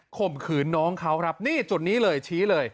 ข่มขืนน้องเขาครับนี่จุดนี้เลยชี้เลย